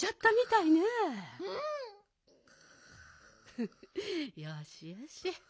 フフよしよし。